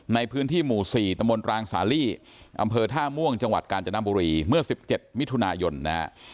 ในพื้นที่หมู่๔ตมรางสาลีอำเภอท่าม่วงจังหวัดกาญจนบุรีเมื่อ๑๗มิถุนายนนะฮะ